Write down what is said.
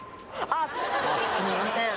すみません